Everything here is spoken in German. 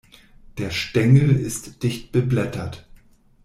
Der Stängel ist dicht beblättert.